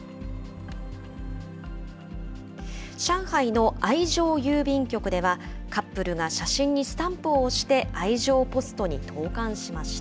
上海の愛情郵便局では、カップルが写真にスタンプを押して、愛情ポストに投函しました。